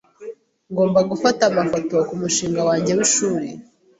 Ngomba gufata amafoto kumushinga wanjye w'ishuri.